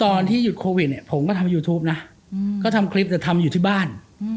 ตอนที่หยุดโควิดเนี่ยผมก็ทำยูทูปนะก็ทำคลิปแต่ทำอยู่ที่บ้าน